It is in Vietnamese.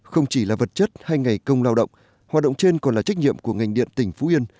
không chỉ là vật chất hay ngày công lao động hoạt động trên còn là trách nhiệm của ngành điện tỉnh phú yên